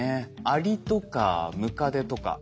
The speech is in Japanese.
アリとかムカデとかハチ。